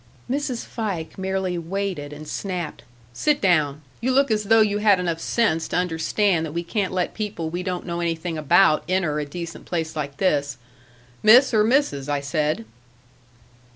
Mrs. Fike merely waited and snapped: "Sit down. You look as though you had enough sense to understand that we can't let people we don't know anything about enter a decent place like this.... Miss or Mrs., I said?"